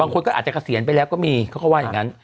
บางคนอาจจะเกษียณไปแล้วก็อาจจะมี